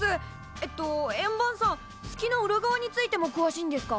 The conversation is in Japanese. えっと円盤さん月の裏側についてもくわしいんですか？